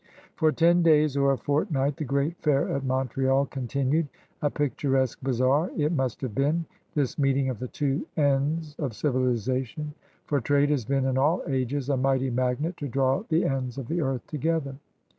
For ten days or a fortnight the great fair at Montreal continued. A picturesque bazaar it must have been, this meeting of the two ends of civilization, for trade has been, in all ages, a mighty magnet to draw the ends of the earth together.